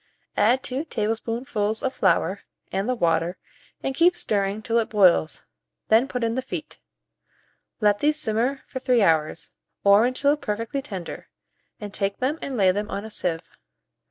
Add 2 tablespoonfuls of flour and the water, and keep stirring till it boils; then put in the feet. Let these simmer for 3 hours, or until perfectly tender, and take them and lay them on a sieve.